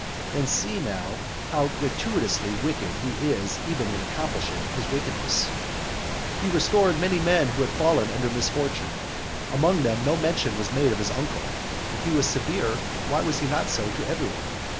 And see, now, how gratuitously wicked he was even in accomplishing his wickedness. XXIII. He restored many men who had fallen under misfortune. Among them no mention was made of his uncle. If he was severe, why was he not so to every one?